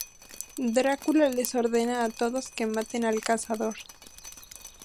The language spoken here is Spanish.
Drácula les ordena a todos que maten al cazador.